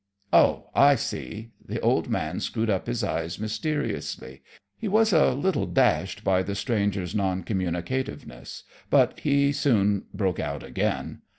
"Oh, I see!" The old man screwed up his eyes mysteriously. He was a little dashed by the stranger's non communicativeness, but he soon broke out again.